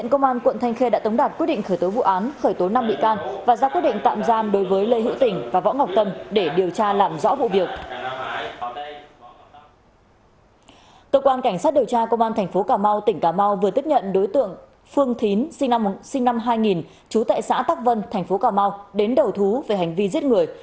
tổ quán cảnh sát điều tra công an tp cà mau tp cà mau vừa tiếp nhận đối tượng phương tín sinh năm hai nghìn chú tại xã tắc vân tp cà mau đến đầu thú về hành vi giết người